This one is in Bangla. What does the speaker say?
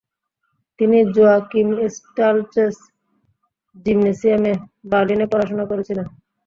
তিনি জোয়াকিমস্টালচেস জিমনেসিয়ামে বার্লিনে পড়াশোনা করেছিলেন।